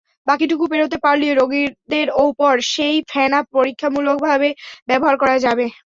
বাকিটুকু পেরোতে পারলেই রোগীদের ওপর সেই ফেনা পরীক্ষামূলকভাবে ব্যবহার করা যাবে।